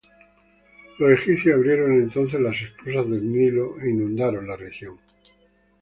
Los egipcios abrieron entonces las esclusas del Nilo e inundaron la región.